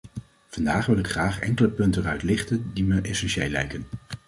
Vandaag wil ik graag enkele punten eruit lichten die me essentieel lijken.